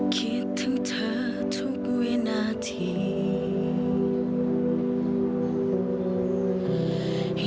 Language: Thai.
คิดถึงเธอทุกวินาที